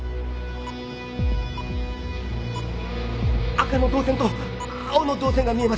赤の導線と青の導線が見えます。